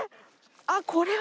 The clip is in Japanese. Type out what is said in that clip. あっこれは。